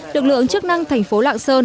lực lượng chức năng thành phố lạng sơn